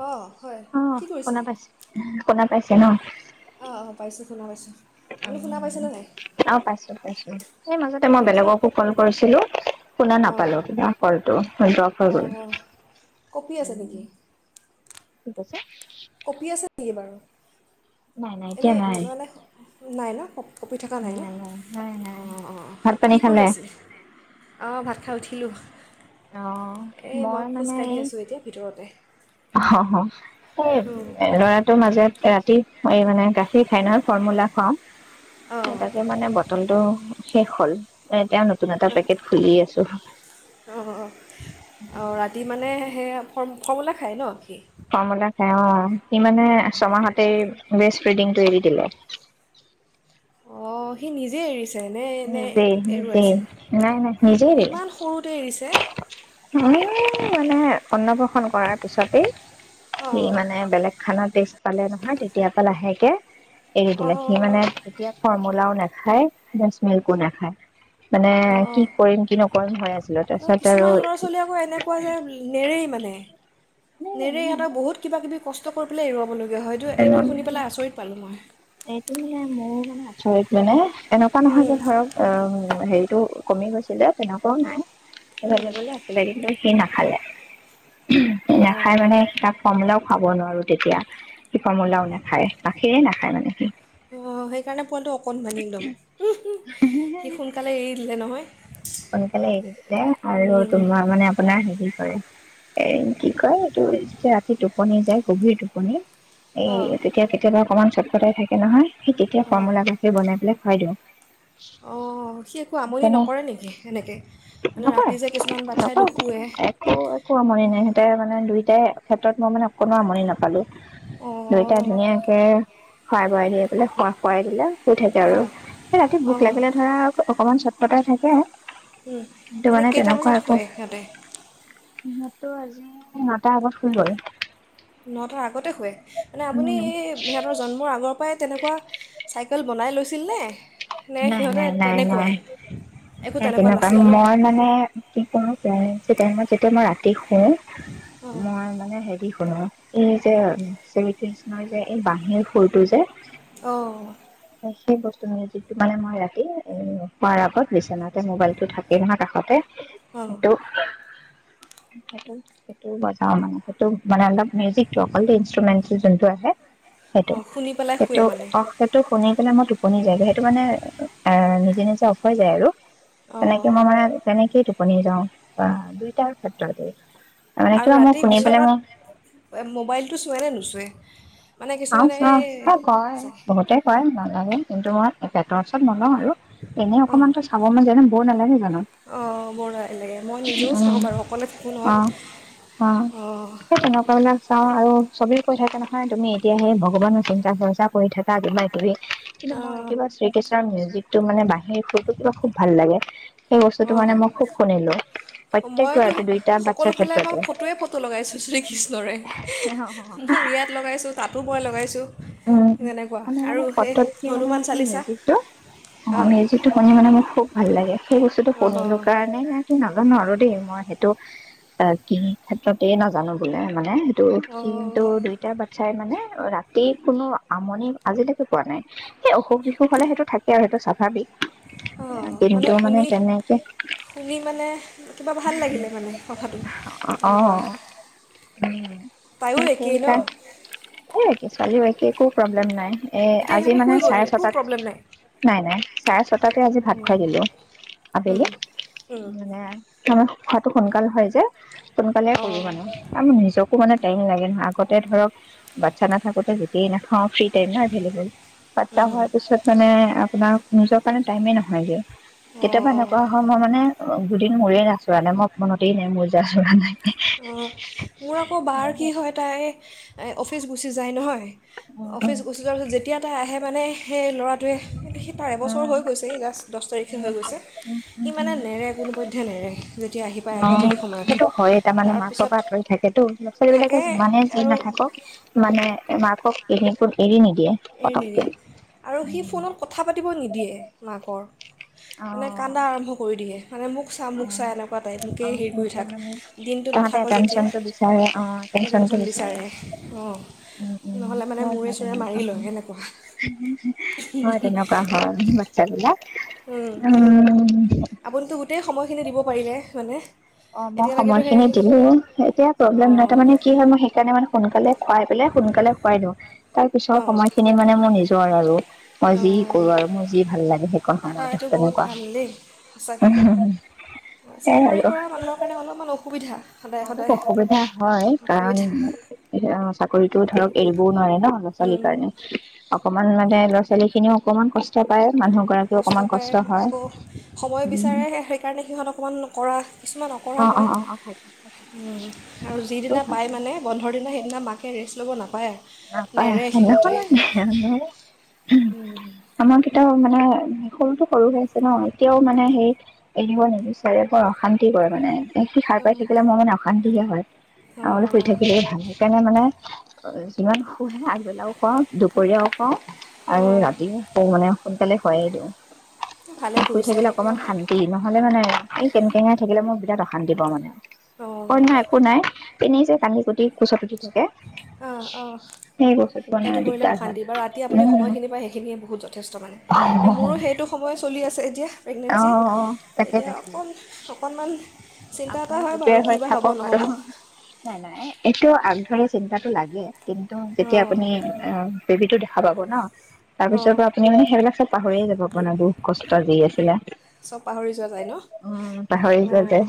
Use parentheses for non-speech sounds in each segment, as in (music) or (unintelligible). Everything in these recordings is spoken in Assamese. অঁ হয় কি অ', কৰিছে শুনা পাইছো শুনা পাইছে ন? অঁ (unintelligible) শুনা পাইছেনে নাই আহ, পাইছো পাইছো সেই মাজতে মই এ, কিবা বেলেগকো কপ কল কৰিছিলো শুনা অঁ নাপালো কিবা কলটো দ্ৰ হৈ অঁ গ'ল। অঁ কপি আছে নেকি (unintelligible) (unintelligible) বাৰু নাই নাই এতিয়া এনেই নাই। মানে নাই ন? (unintelligible) কঁপি থকা নাই ন? অ', অ', ভাত পানী কি কৰি খালে? আছে? অ', ভাত খাই উঠিলোঁ। এই মই খোজকাাঢ়ি আছোঁ এতিয়া ভিতৰতে। হ, হ। এ ল'ৰাটোৰ মাজে ৰাতি এই মানে গাখীৰ খাইনৰ ফৰ্মুলা খাওঁ। অঁ তাকে মানে বটলটো শেষ হ'ল এ তেওঁলোক অ', আৰু ৰাতি মানে সেয়া ফৰ্ম ফৰ্মূলা খায় ন' সি? ফৰ্মূলা খাই অ', সি মানে ছমাহতেই বেছ ফিডিংটো এৰি দিলে। অ', সি নিজে এৰিছ এনে, এনে নিজেই নিজেই এৰুৱাইছে, নাই নাই নিজেই দিলে ইমান সৰুতে এৰিছে। মানে অন্নপ কৰাৰ পিছতে সি অঁ মানে বেলেগ খানত বেছি পালে নহয় তেতিয়া পৰা লাহেকে এৰি দিলে সি অঁ মানে এতিয়া ফৰ্মলাও না হায় ব একো নাখায়। মানে কি অ' কৰিম কি নকৰিম হৈ আছিলো তাৰপিছত আৰু কিছুমান ল'ৰা ছোৱালী আকৌ এনেকুৱা যে নেৰেই মানে নেৰে ইহঁতৰ বহুত কিবা-কিবি কষ্ট কৰি পেলাই এৰুৱাব লগ হয়তো এইটো শুনি পেলাই আচৰিত পালোঁ মই। এইটো মানে, ময়ো মানে আচৰিত মানে। এনেকুৱা নহয় যে, ধৰক, অ', হেৰি টো কমি গৈছিলে তেনেকুৱাও নাই। বেলেগলে আছিলে, কিন্তু সি না হা (unintelligible) অ' নাখায় মানে তাক পানীলাও খাব নোৱাৰোঁ তেতিয়া। সি কমলাও নাখায়, গাখীৰে নাখায়, মানে (inaudible) অ', সেইকাৰণে পোৱালিটো অকণমানী একদম। সি সোনকালে এৰি দিলে নহয় সোনকালে এৰি দিলে, আৰু তোমাৰ, মানে, আপোনাৰ, হেৰি কৰে এই, কি কয়, এইটো যেতিয়া ৰাতি টোপনি যায়, গভীৰ টোপনি এই, অ' তেতিয়া, কেতিয়াবা অকণমান চ ফটাই থাকে নহয় সেই, তেতিয়া, অ' কমলা গাখীৰ বনাই পেলাই খুৱাই দিওঁ অ', সি একো আমনি তেনে নকৰে নেকি? সেনেকে, মানে, নকৰে ৰাতি যে কিছুমান বাচ্চাই নকৰে নুশুৱে দুইতাৰে ক্ষেত্ৰত, মই মানে কোনো আমনি নাপালোঁ। অ' দুইটাই ধুনীয়াকে খোৱাই-বোৱাই দিয়ে (unintelligible) দিলে শুই থাকে, হা আৰু ৰাতি ভোক অ' লাগিলে, ধৰা, অকণমান চত ফটাই থাকে উম, কিন্তু এনেই মানে কেইটা তেনেকুৱা বজাত শুৱে সিহঁতে? টো, আজি নটাৰ আগত শুই গ'ল। নটাৰ আগতে শুৱে? মানে, আপুনি উম সিহঁতৰ জন্মৰ আগৰ পৰাই তেনেকুৱা চাইকেল বনাই লৈছে নে নে, সিহঁতে তেনেকুৱাই একো সিহঁত তেনেকুৱা নাছিল তেনেকুৱাই। ন মই, মানে প্ৰায়ে প্ৰগ্নান্সী টাইমত, যেতিয়া মই ৰাতি শু শুনোঁ। অঁ মই, মানে, হেৰি, শুনোঁ এই যে, শ্ৰীকৃষ্ণৰ যে, এই বাঁহীৰ সুৰটো যে অ'। সেই বস্তু মিউজিকটো, মানে, মই ৰাতি, এ, শুৱাৰ আগত বিচনাতে মোবাইলটো থাকেই নহয়, কাষতে, অঁ সেইটো সেইটো, সেইটো বজাৱ মানে, সেইটো মানে অলপ মিউজিকটো অকল দেই, ইন্ষ্ট্ৰুমেন্টটো জোনটো আহে, সেইটো। অঁ শুনি পেলাই সেইটো, শুৱে মানে অ সেইটো শুনি পেলাই মা টোপনি যায়গৈ। সেইটো মানে অ', নিজে নিজে অফ হৈ যায় আৰু তেনেকে অঁ মই মানে, তেনেকেই টোপ টোপনী যোৱাওঁ, বা দুইটাৰ ক্ষেত্ৰতেই। আৰু ৰাতি বিচনাত, মোবাইলটো চোৱে নে নুচোৱে? মানে কিছুমানে চাওঁ-চাওঁ, এই মোক কয়, চাই বহুতে কয় নালাগে, কিন্তু মই এই পেতৰ ওচৰত নলওঁ আৰু এনে অকমান তো চাব মান যায় ন? ব'ৰ নালাগে জানো? অ', ব'ৰ লা-লাগে। মই নিজেও উম চাওঁ বাৰু অকলে থাকো নহয়, অ অ' সেই তেনেকুৱা বিলাক চাওঁ আৰু চবেই কৈ থাকে নহয় তুমি এতিয়া‌ হে ভগৱানৰ চিন্তা চৰ্চা কৰি থকা, কিবা কিবি কিন্তু মই অঁ শ্ৰীকৃষ্ণৰ মিউজিকটো মানে বাঁহীৰ সুৰ টো কিবা খুব ভাল লাগে সেই বস্তুটো মানে মই খুব শুনিলো অ', প্ৰত্যেক মইতো বাৰতে দুইটা বাচ্ছাৰ সকলোফালে ক্ষেত্ৰতে মই ফটোৱে ফটো লগাইছোঁ শ্ৰীকৃষ্ণৰে মোৰ ইয়াত লগাইছোঁ তাতো মই লগাইছোঁ। উম, তেনেকুৱা আৰু মানে সেই (unintelligible) মানে হনুমান মই সেই চালিচা মিউজিকটো অ', অঁ মিউজিক শুনি মানে মই খুব ভাল লাগে। সেই বস্তুটো অঁ শুনিলো কাৰণে নে কি নাজানো আৰু দেই মই সেইটো অ', কি ক্ষেত্ৰতেই নাজানো বোলে মানে ত সি কিন্তু অঁ দুইতটা বাতচ্ছাই মানে (unintelligible) তি কোনো আমনি আজিলৈকে কৰা নাই সেই অসুখ বিসুখ হ'লে সেইটো থাকে আৰু সেইটো স্বাভাৱিক। অ', মানে কিন্তু শুনি তেনেকে শুনি মানে কিবা ভাল লাগিলে মানে কথাটো অ এনেকুৱা উম তায়ো একেই ন? ছোৱালীৰ বাকী একো প্ৰব্লেম নাই। এ এতিয়া আজি সিহঁতে মানে শুই গ'ল চাৰে একো ছটাত প্ৰব্লেম নাই নাই, নাই চাৰে ছটাতে আজি ভাত খুৱাই দিলো অঁ আবেলি মানে। আমাৰ শুৱাটো সোনকাল হয়, যে সোনকালে কৰো অঁ মানে, ম নিজকো মানে টাইম লাগে নহয়, আগতে ধৰক বাতচা না কোতে যেতিয়াই নাখাওঁ ফ্ৰী এভলেবল বাচ্ছা হোৱাৰ পিছত মানে আপোনাৰ নিজৰ কাৰণে টাইমে নহয়গে। অঁ কেতিয়াবা অঁ এনেকুৱা হয় মই মানে দুদিন মূৰে আচোৰা নাই মই মনতে নাই মোৰ অ' মোৰ আকৌ বাৰ কি হয় তাই (unintelligible) অফিচ গুচি যায় নহয়। অফিচ গুচি যোৱা পিছত যেতিয়া তাই আহে মানে, সেই ল'ৰা টোৱে তাৰ এবছৰ হৈ গৈছে জাষ্ট দচ তাৰিখে কি হৈ গৈছে? সি মানে নেৰে কোনো বৈধ্য নেৰে। যেতিয়া আহি পায়, গধূলি সময়ত। হইয়ে, তাৰ মানে মাকৰ তাৰপিছত পৰা আঁতৰি থাকে টো, ল'ৰা-ছোৱালীবিলাকে থাকে যিমানে যি আৰু নাথাকক মানে মাকক (unintelligible) এৰি পতককে নিদিয়ে আৰু সি উম ফোনত কথা পাতিবও নিদিয়ে মাকৰ অ এনে কান্দা অ আৰম্ভ কৰি দিয়ে। মানে মোক চা মোক চা এনেকুৱা টাইপ মোকেই অ', হেৰি কৰি সেইটোৱে থাক, মানে দিনটো তাহাঁতে নাথাক যেতিয়া, এটেনচনটো বিচাৰে অ এটেনচনটো এটেনচন বিচাৰে অ', উম উম নহ'লে মানে হয় মোৰে হয় চোৰে তেনেকুৱা মাৰি লয়। সেনেকুৱা হয় তেনেকুৱা হয় বাচ্ছাবিলাক। উম, উম আপুনিটো গোটেই সময় খিনি দিব পাৰিলে মানে। অ মই এতিয়ালৈকেতো সেই সময়খিনি দিলো, এতিয়া প্ৰব্লেম নাই তাৰ অঁ মানে কি হয় মই সেইকাৰণে মানে সোনকালে খুৱাই পেলাই সোনকালে শুৱাই দিওঁ। তাৰ পিছৰ অঁ সময়খিনি মানে মোৰ নিজৰ আৰু। মই যি অঁ কৰো আৰু মোৰ যি ভাল লাগে সেই কন দাদা সময়ত এইটো বহুত তেনেকুৱা, ভাল দেই সঁচাকৈ সেয়াই চাকৰি আৰু। (unintelligible) কাৰণে অলপমান অসুবিধা। সদায় অলপ সদায় অসুবিধা হয়, কাৰণ অসুবিধা চাকৰিতো ধৰক এৰিবও নোৱাৰে ন ল'ৰা ছোৱালীৰ কাৰণে। অকমান মানে ছোৱালীখিনিও অকমান কষ্টত কষ্ট পায় আকৌ সময় উম বিচাৰে সে সেইকাৰণে সিহঁত অকণমান অকৰা। কিছুমান অকৰা অ অ হয় অ অ থাকে থাকে আৰু সেইটো যিদিনা হয় পায় মানে বন্ধৰ দিনা সেইদিনা মাক ৰেষ্ট ল'ব না। নাপায় (unintelligible) আমাৰ কিতাও মানে সৰুতো সৰু হৈ আছে ন' এতিয়াও মানে হেৰিক এৰিব নিবিচাৰে বৰ অশান্তি কৰে মানে। সি খাৰ পাই থাকিলে মই মানে অশান সিহে হয়। অঁ শুই থাকিলেই ভাল, সেইকাৰণে মানে (unintelligible) ইমান শুহে আগবেলাও কওঁ, দুপৰীয়াও কওঁ। অঁ অঁ ৰাতিও শু মানে সোনকালে শুহাই দিওঁ, ভালেই শুই কৰিছে থাকিলে অকমান তেওঁ শান্তি নহলে মানে কেনে টেঙাই থাকিলে মোক বিৰাট অশান্তি পাওঁ মানে। অঁ অন্য একো নাই তিমিযে (unintelligible) অ'। অঁ বস্তুটো মানে সেইটো কৰিলে দিগদাৰ হয় অশান্তি বাৰু ৰাতি আপুনি উম সময়খিনি পাই সেইখিনিয়ে বহুত যথেষ্ট মানে। এ মোৰো সেইটো সময় চলি আছে অ প্ৰেগনেঞ্চিত এতিয়া অকণ, অকণমান চিন্তা এটা আপুনিও হয় বাৰু প্ৰিপেৰ কি হৈ বা হ'ব থাকক আৰু নহ'ব নাই-নাই এইটো চিন্তাটো লাগে কিন্তু যেতিয়া অঁ আপুনি বেবি টো (unintelligible) ন অঁ তাৰপিছৰ পৰা আপুনি সেইবিলাক সব পাহৰিয়ে যাব আপোনাৰ দুখ আজি দি আছিলে সব পাহৰি যোৱা যায় ন উম পাহৰি যোৱা যে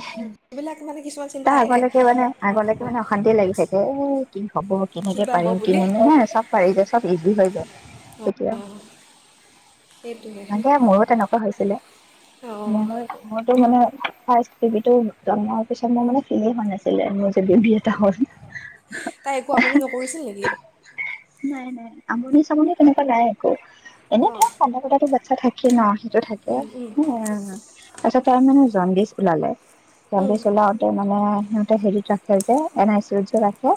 এইবিলাক মানে কিছুমান চিন্তা তাৰ আহে আগলৈকে মানে কি হ'ব আগলৈকে মানে অশান্তি লাগি থাকে এ কি হব কি কেনেকে বা হ'ব পাৰিম বুলি নাই চব পাৰিছে, চব ইজি হৈ যায়, সেইটোহে তেতিয়া মোৰো তেনেকোৱা হৈছিল (unintelligible) অঁ মোৰ টো মানে (unintelligible) জন্ম (unintelligible) পিছত মোৰ মানে ফিলেই হোৱা নাছিলে মোৰ যে ববি এটা হ'ল (unintelligible) (unintelligible) তাই একো আমনি নকৰিছিল নেকি নাই নাই। (unintelligible) আমনি চামনি তেনেকুৱা নাই একো (unintelligible) (unintelligible) (unintelligible) অঁ থাকে (unintelligible) তাৰ (unintelligible) তাৰ মানে (unintelligible) ওলালে কান্দি চলাওঁতে মানে সিহঁতে হেৰিত ৰাখে যে এন আই চি ওচৰত ৰাখে।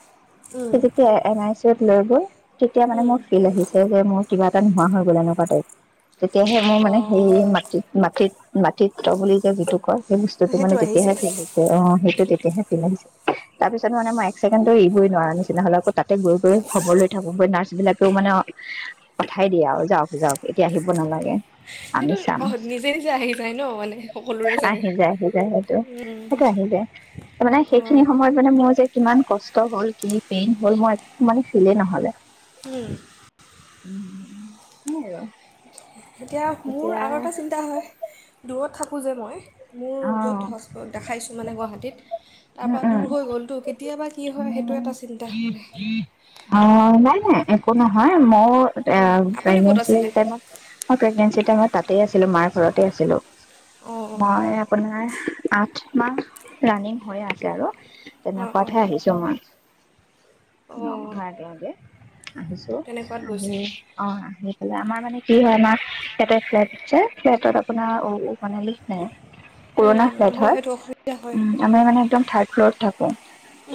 যেতিয়া এনআই চি লৈ গৈ তেতিয়া মানে মোৰ ফিল আহিছে যে মোৰ কিবা নোহোৱা হৈ গ'ল এনেকুৱা টাইপ। তেতিয়াহে মোৰ মানে সেই অঁ মাটিত, মাটিত মাতৃত্ব বুলি যে যিটো কয়। সেই বস্তুটো মানে সেইটো আহিছে হৈছে হৈছে অ সেইটো তেতিয়াহে ফিল আহিছে তাৰ পিছত মানে মই এক ছেকেণ্ডটো এৰিবই নোৱাৰা নিচিনা হ'লো আকৌ তাতে গৈ গৈ খবৰ লৈ থাকো নাৰ্ছ বিলাকেও মানে পঠাই দিয়ে আৰু যাওঁক যাওঁক এতিয়া আহিব নালাগে। সেইটো আমি চাম অ', নিজে, নিজে আহি যায় ন? মানে সকলোৰে চাগে। আহি যায় আহি যায় সেইটো সেইটো আহি যায় মানে সেইখিনি অঁ সময়ত মানে মোৰ যে কিমান কষ্ট হ'ল কি পেইন হ'ল, মই মান ফিলে নহ'লে। উম। উম, (unintelligible) এতিয়া মোৰ আৰু এটা চিন্তা হয়, দূৰত থাক (unintelligible) মই মোৰ অ য'ত হচ দেখাই মানে গুৱাহাটীত তাৰ উম পৰা দূৰ হৈ গ'লটো কেতিয়াবা কি হয় সেইটো এটা চিন্তা মানে অ', নাই, নাই একো নহ হয়, মোৰ আ, আপুনি ক'ত প্ৰেগনেঞ্চি আছিলে টাইমত অ', প্ৰেগনেঞ্চি টাইমত তাত তে মাৰ ঘৰতে আছিলো, অঁ মই আপোনাৰ আঠ মাহ ৰানিং হৈ আছে আৰু অঁ অঁ অঁ তেনেকুৱাতহে আহিছ অঁ নমাহৰ আগে, আগে আহিছো তেনেকুৱাত আহি গৈছে অ', আহি আমাৰ মানে কি হয় ন' কে ফ্লেট যে ফ্লেটত আপোনাৰ অ'। মানে লোক নাই পুৰণা ফ্লেট হয় সেইটো অসুবিধা হয় উম, আমি মানে একদম থাৰ্ড ফ্লৰত থাকো।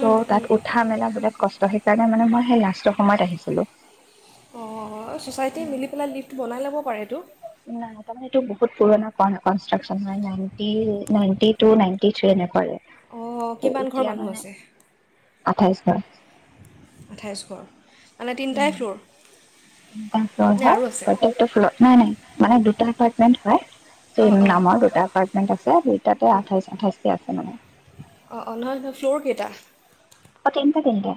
উম, তাত উম। উঠা মেলা বোলে কষ্ ত' সেইকাৰণে মানে মই সেই লাষ্টৰ সময়ত আহিছিলো। অ', ছ'চাইটি মিলি পেলাই লিফ্ট বনাই ল'ব পাৰে। (unintelligible) নাই তাৰমানে এইটো বহুত পুৰণা কন-কনষ্ট্ৰাকছন হয় নাইণ্টি, নাইণ্টিটো, নাইন্টিথ্ৰী এনেকুৱাৰে। অ', কিমান ঘৰ মানুহ আছে? আঠাইছ ঘৰ। আঠাইছ ঘৰ। মানে তিনিটাই ফ্ল'ৰ? তিনটা ফ্ল'ৰ নে হয় আৰু আছে প্ৰত্যেকটো ফ্ল'ৰ নাই নাই মানে দুটা এপাৰ্টমেন্ট হয়। অঁ (unintelligible) অঁ নামৰ দুটা এপাৰ্টমেন্ট আছে দুইটাতে অঁ আঠাইশ, আঠাইশ কে আছে মানে। অঁ নহয় নহয় ফ্ল'ৰ কেইটা অ', তিনটা, তিনটা।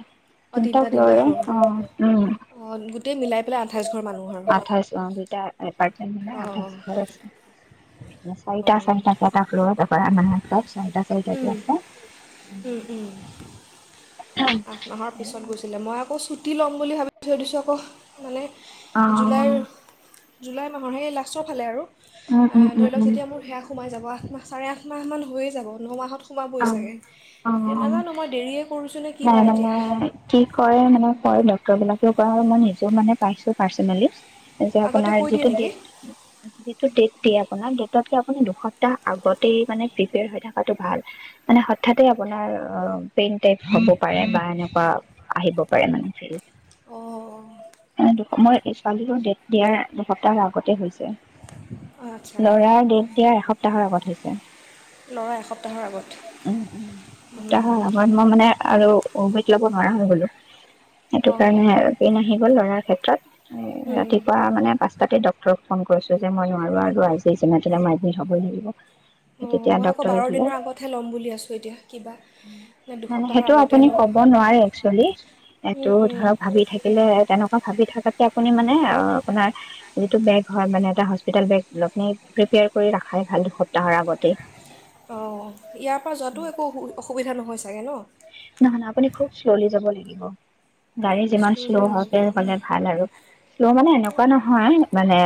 তিনিটা ফ্লৰৰে অ', উম, অঁ গোটেই মিলাই পেলাই আঠাইছ ঘৰ মানুহ আৰু আঠাইছ অ', দুটা এপাৰ্ট অঁ আঠাইছ ঘৰ আছে চাৰিটা চাৰিটাকে এটা ফ্ল'ৰত (unintelligible) চাৰিটা চাৰিটাকে আছে অঁ অঁ আঠ মাহৰ পিছত গৈছিলে মই আকৌ চু টি ল'ম বুলি ভাবি থৈ দিছোঁ আকৌ মানে অ জুলাইৰ জুলাই মাহৰ সেই লাষ্টৰ ফালে আৰু। উম উম অ', ধৰি উম লওঁক উম যেতিয়া মোৰ সেয়া সোমাই যাব চাৰে আঠ মাহমান হৈয়ে যাব ন মাহত সোমাবই অ', চাগে অ', এতিয়া অ', নাজানো মই দেৰিয়ে কৰিছোঁ নে কি নাই বা মানে এতিয়া কি কৰে মানে কৰে ডক্টৰবিলাক (unintelligible) মই নিজেও মানে পাইছো পাৰ্চনেলি। যে, আগতে আপোনাৰ কৈ দিয়ে যিটো নেকি ডেট যিটো ডেট দিয়া আপোনাৰ ডেটতকে আপুনি দুসপ্তাহ আগতেই মানে প্ৰিপেয়াৰ হৈ থাকাতটো ভাল। মানে হঠাতে আপোনাৰ অ', পেইন টাইপ হ'ব পাৰে বা এনেকুৱা আহিব পাৰে মানে অঁ (unintelligible) (unintelligible) মই সেই ছোৱালীৰো ডেট দিয়াৰ দুসপ্তাহৰ আগতে হৈছে। আচ্ছা ল'ৰাৰ ডেট দিয়া এসপ্তাহৰ আগত হৈছে (unintelligible) ল'ৰা এসপ উম, উম এসপ্তাহৰ আগত মই মানে আৰু অভেদ লব নোৱাৰা হৈ গ'লো সেইটো অঁ কাৰণে দিন আহি গল লৰাৰ ক্ষেত্ৰত ৰাতিপুৱা মানে পাঁচ তাতে ডক্টৰেট ফোন কৰিছো যে মই নোৱাৰো আৰু আইজি যিমান তেনে মই এডমিট হবই লাগিব। অঁ তেতিয়া মই আকৌ ডক্টৰে বাৰ দিনৰ আগতহে ল'ম বুলি আছোঁ এতিয়া কিবা নে মানে দুসপ্তাহৰ সেইটো আগতে আপুনি লওঁ, ক'ব নোৱাৰে একচুৱেলি উম, উম। ই ভাবি থাকা যে আপুনি মানে অ আপোনাৰ যিটো বেগ হয় এটা হস্পিটেলত তৈয়াৰ কৰি ৰখা ভাল সপ্তাহৰ আগতে। অ', ইয়াৰ পৰা যোৱাটো একো অসুবিধা নহয় চাগে ন? নহ না আপুনি খুব শ্ল'লি যাব লাগিব। গাড়ী যিমান শ্ল' শ্ল'লি যাব হওক লাগিব ন হলে ভাল আৰু শ্ল' মানে এনেকুৱা নহয় মানে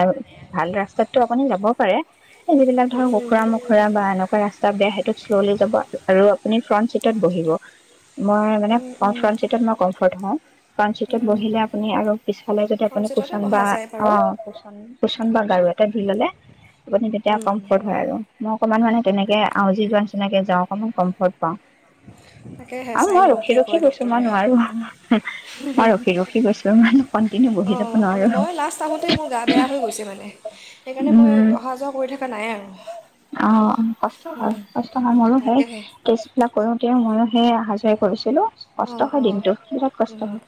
ভাল ৰাস্তাতটো আপুনি যাব পাৰে যিবিলাক ধৰক উম, কুখুৰা মোখোৰা বা এনেকুৱা ৰাস্তা বেয়া সেইটোত শ্ল'লি যাব আৰু আপুনি ফ্ৰণ্ট চিটত বহিব। মই মানে উম, উম, ফ্ৰন্ট চিতে মানে হও ফ্ৰন্ট চিতত উম। বহিলে আপুনি পিছফালে ফ্ৰণ্ট ছিটতে প্ৰচন্দ বহা যায় বাৰু প্ৰচন্দ গাৰু এটা ভিৰ হ'লে যেতিয়া উম, কম্ফদ হয় আৰু। অকণমান মানে তেনেকে আ যি যোৱা নিচিনাকে যাওঁ অকণমান কমফৰ্ট পাওঁ তাকে আৰু হেচাই মই লওঁ ৰখি কি ৰখি কয় গৈছো মই ডক্টৰে নোৱাৰো মই ৰখি ৰখি গৈছো মানে কন্টিনিউ বহি যাব অঁ নোৱাৰো মই লাষ্ট আগোতে মোৰ গা বেয়া হৈ গৈছে মানে সেইকাৰণে মই উম অহা যোৱা কৰি থকা নাই আৰু অ অ কষ্ট উম, হয় কষ্ট হয় উম, মোৰো সেই তাকেহে ষ্ট বিলাক কৰো এতিয়া ময়ো সে অহা য কৰিছিলো কষ্ট অঁ হয় অঁ দিনটো বিৰাট কষ্ট অঁ হয়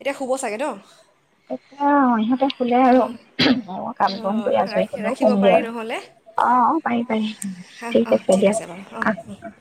এতিয়া শুব চাগে ন এয়া ইহঁতে খুল আৰু অঁ কাম ক অঁ কৰি ৰাখি আছোো ৰাখিব কমগ পাৰি আৰু নহ'লে অ পাৰি পাৰিম অঁ ঠিক অঁ আছে দিয়া বাৰু অঁ উম। আহ